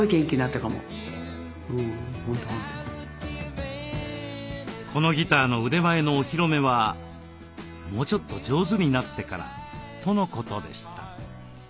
これでこのギターの腕前のお披露目はもうちょっと上手になってからとのことでした。